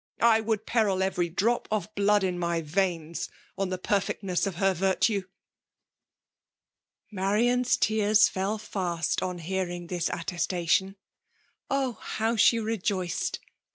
I woidd )peril every drop of blood ia my veiDs on the perfisctnete of her virtile. Marian's tears fell fast on hearing this at testation. . Oh ! how she rejoiced at.